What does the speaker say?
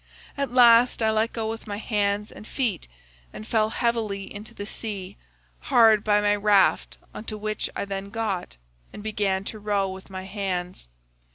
At last I let go with my hands and feet, and fell heavily into the sea, hard by my raft on to which I then got, and began to row with my hands.